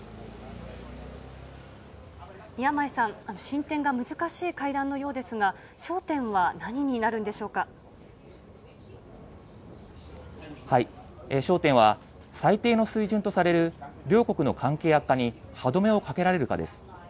宮前さん、進展が難しい会談のようですが、焦点は、最低の水準とされる両国の関係悪化に歯止めをかけられるかです。